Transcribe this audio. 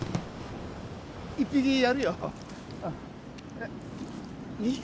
１匹やるよ２匹？